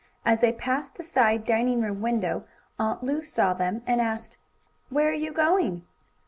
As they passed the side dining room window, Aunt Lu saw them, and asked: "Where are you going?"